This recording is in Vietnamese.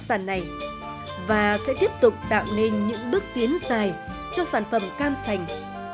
sản này và sẽ tiếp tục tạo nên những bước tiến dài cho sản phẩm cam sành